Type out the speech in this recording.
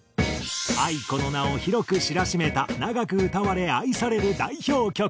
ａｉｋｏの名を広く知らしめた長く歌われ愛される代表曲。